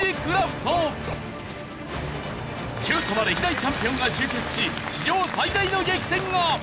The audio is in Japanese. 歴代チャンピオンが集結し史上最大の激戦が！